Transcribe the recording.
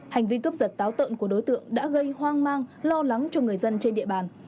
hành vi cướp giật táo tợn của đối tượng đã gây hoang mang lo lắng cho người dân trên địa bàn